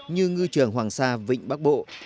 như ngư trường hoàng sa vịnh bắc bộ